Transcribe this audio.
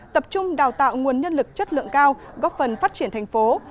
tập trung đào tạo nguồn nhân lực chất lượng cao góp phần phát triển thành phố